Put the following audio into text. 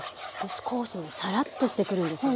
少しねサラッとしてくるんですよ。